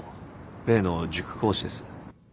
例の塾講師です。